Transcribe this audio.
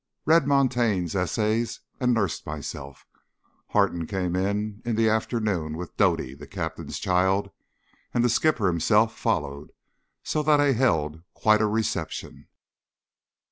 Read "Montaigne's Essays" and nursed myself. Harton came in in the afternoon with Doddy, the Captain's child, and the skipper himself followed, so that I held quite a reception.